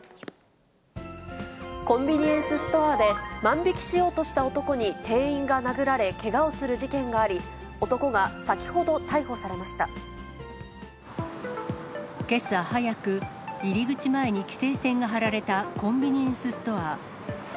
コンビニエンスストアで、万引きしようとした男に店員が殴られ、けがをする事件があり、けさ早く、入り口前に規制線が張られたコンビニエンスストア。